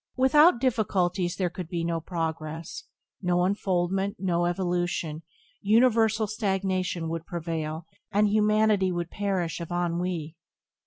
Without difficulties there could be no progress, no unfoldment, no evolution; universal stagnation would prevail, and humanity would perish of ennui.